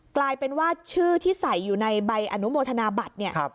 กลายเป็นว่าชื่อที่ใส่อยู่ในใบอนุโมทนาบัตรเนี่ย